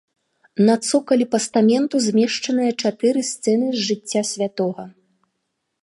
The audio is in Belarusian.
На цокалі пастаменту змешчаныя чатыры сцэны з жыцця святога.